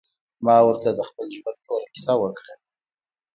ما ورته د خپل ژوند ټوله کيسه وکړه.